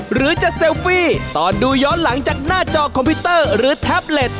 หรือจะเซลฟี่ตอนดูย้อนหลังจากหน้าจอคอมพิวเตอร์หรือแท็บเล็ต